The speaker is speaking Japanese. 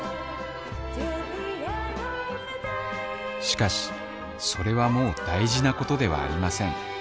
しかしそれはもう大事なことではありません